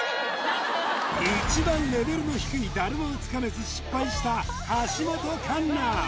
一番レベルの低いだるまを掴めず失敗した橋本環奈